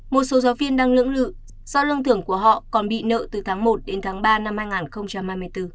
một số giáo viên đang lưỡng lự do lương thưởng của họ còn bị nợ từ tháng một đến tháng ba năm hai nghìn hai mươi bốn